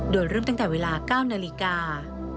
โดยเริ่มตั้งแต่เวลา๙นาฬิกา